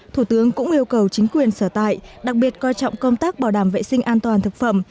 thủ tướng cũng yêu cầu chính quyền sở tại đặc biệt coi trọng công tác bảo đảm vệ sinh an toàn thực phẩm